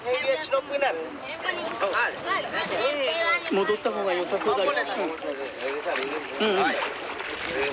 戻った方がよさそうだよ。